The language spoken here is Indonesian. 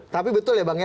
tapi betul ya bang